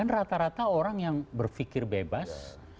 rata rata orang yang berpikir bebas